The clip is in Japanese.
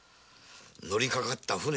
「乗りかかった船」！